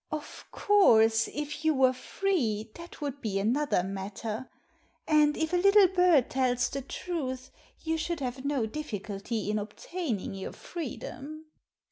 "Of course, if you were free, that would be another matter. And, if a little bird tells the truth, you should have no difficulty in obtaining your freedom."